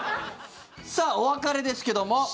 さあお別れですけども。